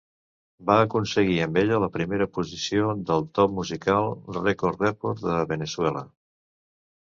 Va aconseguir amb ella la primera posició del top musical Record Report de Veneçuela.